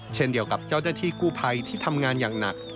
เช่นเดียวกับเจ้าหน้าที่กู้ภัยที่ทำงานอย่างหนัก